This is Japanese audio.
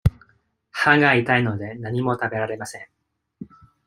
歯が痛いので、何も食べられません。